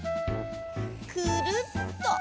くるっと。